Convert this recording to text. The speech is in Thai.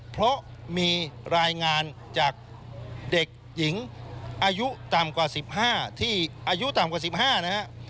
เพราะมีรายงานจากเด็กหญิงอายุต่ำกว่า๑๕